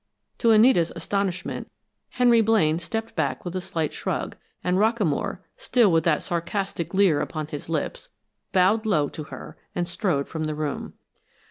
To Anita's astonishment, Henry Blaine stepped back with a slight shrug and Rockamore, still with that sarcastic leer upon his lips, bowed low to her and strode from the room.